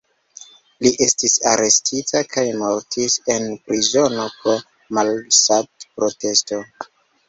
Li estis arestita kaj mortis en prizono pro malsatprotesto.